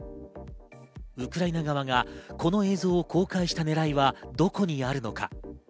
ウクライナ側はこの映像を公開した狙いはどこにあるのか。